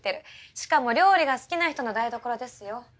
しかも料理が好きな人の台所ですよ。